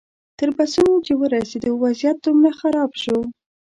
تر بسونو چې ورسېدو وضعیت دومره خراب شو.